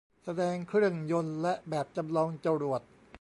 แสดงเครื่องยนต์และแบบจำลองจรวด